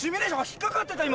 引っかかってた今。